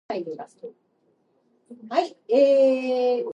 They have no idea in music at all.